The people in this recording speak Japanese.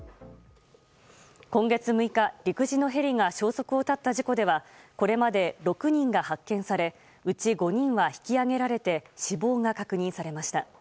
今月６日、陸自のヘリが消息を絶った事故ではこれまで６人が発見されうち５人は引き揚げられて死亡が確認されました。